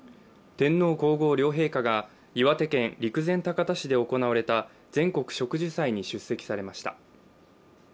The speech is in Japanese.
天皇皇后両陛下が岩手県陸前高田市で行われた全国植樹祭に出席されました。